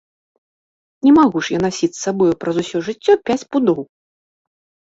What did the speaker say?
Не магу ж я насіць з сабою праз усё жыццё пяць пудоў!